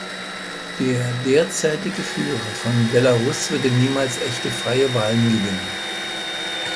Der derzeitige Führer von Belarus würde niemals echte freie Wahlen gewinnen.